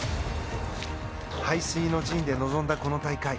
背水の陣で臨んだ、この大会。